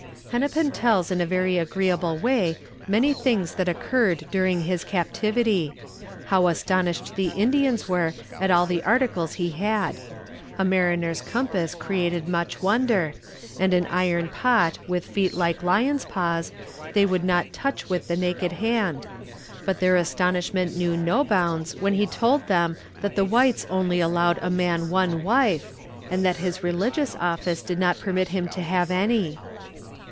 Hennepin tells in a very agreeable way many things that occurred during his captivity: how astonished the Indians were at all the articles he had. A mariner's compass created much wonder, and an iron pot with feet like lions' paws they would not touch with the naked hand; but their astonishment knew no bounds when he told them that the whites only allowed a man one wife, and that his religious office did not permit him to have any.